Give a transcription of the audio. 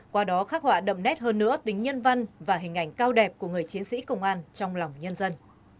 qua đó khắc họa đậm nét hơn nữa tính nhân văn và hình ảnh cao đẹp của người chiến sĩ công an trong lòng nhân dân